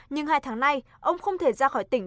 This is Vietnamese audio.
nhưng hai tháng nay ông không thể ra khỏi tỉnh